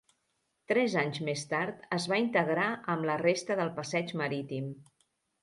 Tres anys més tard es va integrar amb la resta del passeig marítim.